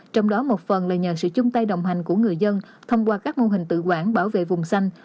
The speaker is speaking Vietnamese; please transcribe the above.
trong đó một phần là nhờ sự chung tay đồng hành của người dân thông qua các mô hình tự quản bảo vệ vùng xanh